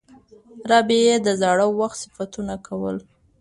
رابعې د زاړه وخت صفتونه کول.